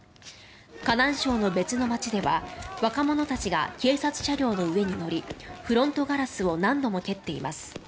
河南省の別の街では若者たちが警察車両の上に乗りフロントガラスを何度も蹴っています。